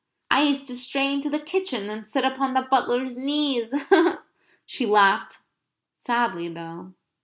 "I used to stray into the kitchen and sit upon the butler's knees," she laughed, sadly though.